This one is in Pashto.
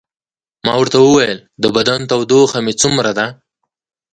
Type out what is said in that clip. ما ورته وویل: د بدن تودوخه مې څومره ده؟